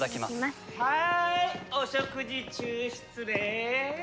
はいお食事中失礼！